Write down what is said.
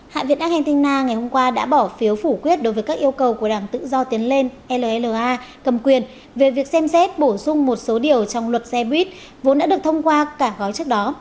hạ viện argentina ngày hôm qua đã bỏ phiếu phủ quyết đối với các yêu cầu của đảng tự do tiến lên lla cầm quyền về việc xem xét bổ sung một số điều trong luật xe buýt vốn đã được thông qua cả gói trước đó